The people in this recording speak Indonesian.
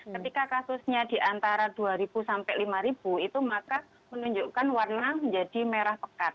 ketika kasusnya di antara dua sampai lima itu maka menunjukkan warna menjadi merah pekat